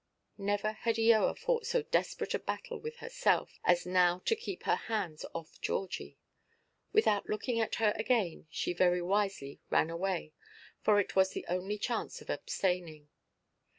Never had Eoa fought so desperate a battle with herself, as now to keep her hands off Georgie. Without looking at her again, she very wisely ran away, for it was the only chance of abstaining.